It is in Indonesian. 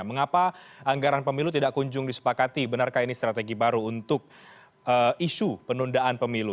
mengapa anggaran pemilu tidak kunjung disepakati benarkah ini strategi baru untuk isu penundaan pemilu